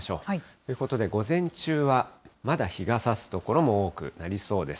ということで午前中は、まだ日がさす所も多くなりそうです。